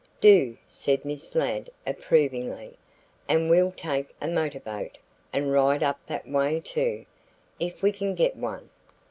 "Do," said Miss Ladd approvingly. "And we'll take a motorboat and ride up that way too, if we can get one.